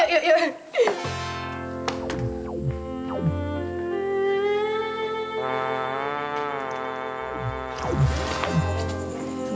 yuk yuk yuk